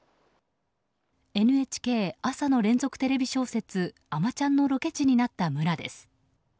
ＮＨＫ朝の連続テレビ小説「あまちゃん」のロケ地になった村です。